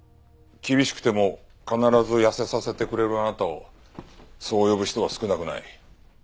厳しくても必ず痩せさせてくれるあなたをそう呼ぶ人は少なくない。